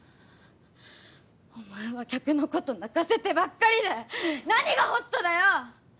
お前は客のこと泣かせてばっかりで何がホストだよ！